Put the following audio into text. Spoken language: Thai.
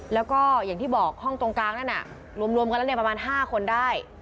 แล้วก็อย่างที่บอกห้องตรงกลางนั่นน่ะรวมกันแล้วประมาณ๕คนได้